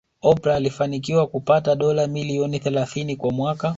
Oprah alifanikiwa kupata dola milioni thelathini kwa mwaka